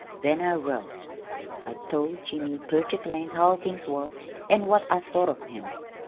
Then I wrote. I told Jimmy purty plain how things was an' what I thought of him.